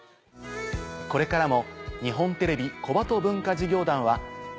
これからも。